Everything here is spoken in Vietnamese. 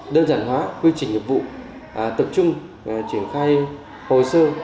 đơn giản hóa quy trình nghiệp vụ tập trung triển khai hồ sơ